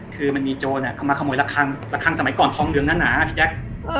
คือมันมีโจรน่ะเข้ามาขโมยระคังระคังสมัยก่อนท้องเหลืองหน้าหนาพี่แจ๊ก